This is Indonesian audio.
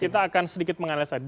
kita akan sedikit menganalisa